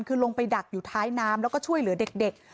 คือลงไปดักอยู่ท้ายน้ำแล้วก็ช่วยเหลือเด็ก